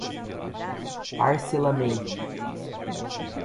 parcelamento